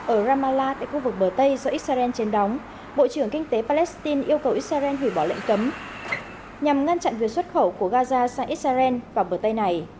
ở ramallah tại khu vực bờ tây do israel trên đóng bộ trưởng kinh tế palestine yêu cầu israel hủy bỏ lệnh cấm nhằm ngăn chặn việc xuất khẩu của gaza sang israel vào bờ tây này